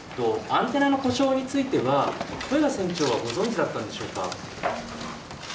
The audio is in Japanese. アンテナの故障については、豊田船長はご存じだったんでしょうか。